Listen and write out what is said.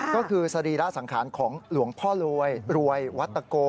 ก็คือสรีระสังขารของหลวงพ่อรวยรวยวัตโก